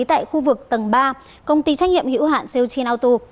tại khu vực tầng ba công ty trách nhiệm hữu hạn seochin auto